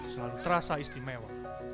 selalu terasa istimewa